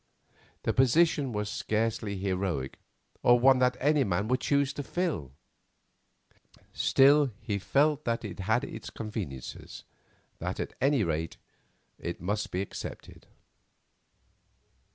The position was scarcely heroic, or one that any man would choose to fill; still, he felt that it had its conveniences; that, at any rate, it must be accepted.